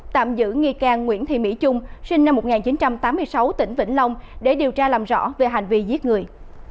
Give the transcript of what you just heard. tạm giữ nghi can nguyễn thị mỹ trung sinh năm một nghìn chín trăm tám mươi sáu tỉnh vĩnh long để điều tra làm rõ về hành vi giết người